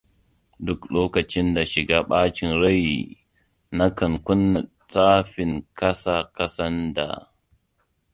Duk lokacin da shiga ɓacin rai, na kan kunna tsaffin kasa-kasan da.